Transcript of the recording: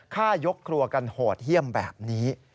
ฆ่ายกครัวกันโหดเยี่ยมแบบนี้